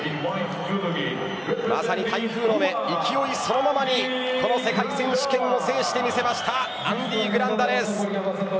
まさに台風の目勢いそのままにこの世界選手権を制してみせましたアンディ・グランダです。